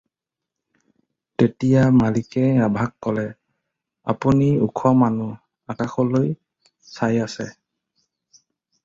তেতিয়া মালিকে ৰাভাক ক'লে- "আপুনি ওখ মানুহ, আকাশলৈ চাই আছে।"